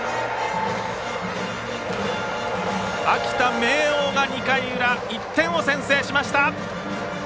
秋田・明桜が２回の裏１点を先制しました。